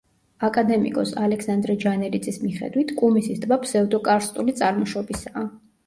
აკადემიკოს, ალექსანდრე ჯანელიძის მიხედვით, კუმისის ტბა ფსევდოკარსტული წარმოშობისაა.